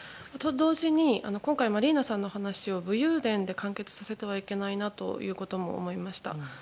それと同時に今回マリーナさんの話を武勇伝で完結させてはいけないということも思いました。